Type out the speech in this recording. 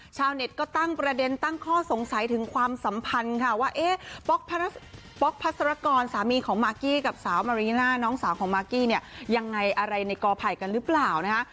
ชาวเน็ตก็ตั้งประเด็นตั้งข้อสงสัยถึงความสัมพันธ์ค่ะว่าเอ๊ะป๊อกพัสรกรสามีของมากกี้กับสาวมาริน่าน้องสาวของมากกี้เนี่ยยังไงอะไรในกอไผ่กันหรือเปล่านะคะ